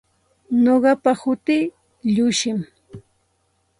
Nuqapa hutii Llushim.